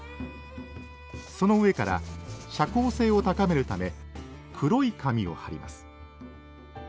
その上から遮光性を高めるため黒い紙を貼ります